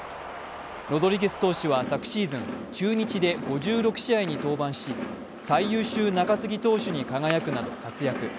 ロドリゲス投手は昨シーズン中日で５６試合に登板し最優秀中継ぎ投手に輝くなど活躍。